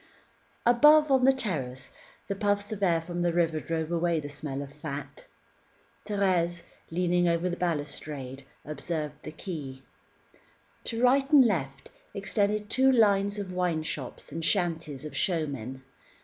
Above, on the terrace, the puffs of air from the river drove away the smell of fat. Thérèse, leaning over the balustrade, observed the quay. To right and left, extended two lines of wine shops and shanties of showmen.